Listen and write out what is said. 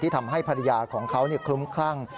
ทำให้ภรรยาของเขาคลุ้มคลั่ง